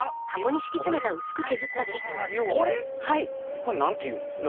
これ何ていうんですか？